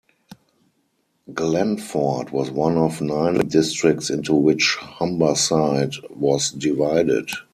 Glanford was one of nine districts into which Humberside was divided.